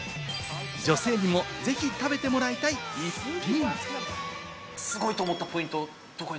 女性にもぜひ食べてもらいたい、一品。